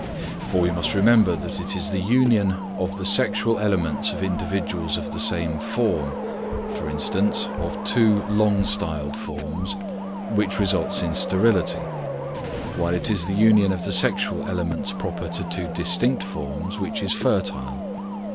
For we must remember that it is the union of the sexual elements of individuals of the same form, for instance, of two long styled forms, which results in sterility; while it is the union of the sexual elements proper to two distinct forms which is fertile.